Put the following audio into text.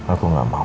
aku gak mau